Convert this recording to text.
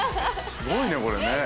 すごいねこれね。